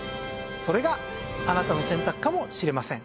それがあなたの選択かもしれません。